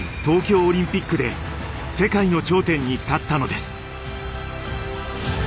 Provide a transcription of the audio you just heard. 東京オリンピックで世界の頂点に立ったのです。